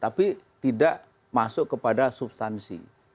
tapi tidak masuk kepada substansi